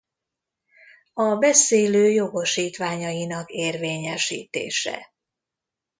A beszélő jogosítványainak érvényesítése.